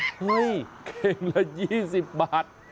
เฮ้ยเข่งละ๒๐บาท